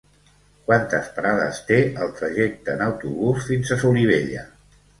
Quantes parades té el trajecte en autobús fins a Solivella?